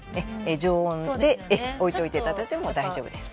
常温で置いておいていただいても大丈夫です。